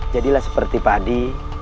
jadilah seperti padi